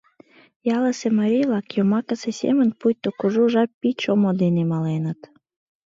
«Ялысе марий-влак йомакысе семын пуйто кужу жап пич омо дене маленыт.